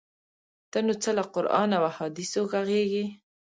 ته نو څه له قران او احادیثو ږغیږې؟!